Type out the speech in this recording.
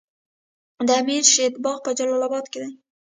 د امیر شهید باغ په جلال اباد کې دی